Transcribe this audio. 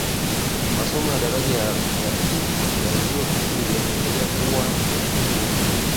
Masomo ya daraja ya pili ya vyuo vikuu yameendelea kuwa ya kiufundi